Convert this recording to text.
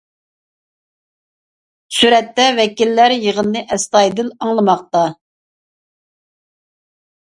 سۈرەتتە: ۋەكىللەر يىغىننى ئەستايىدىل ئاڭلىماقتا.